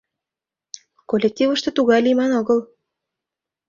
Коллективыште тугай лийман огыл.